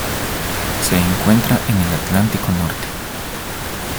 Se encuentra en el Atlántico norte.